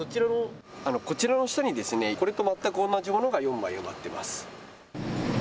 こちらの下にこれと全く同じものが埋まっています。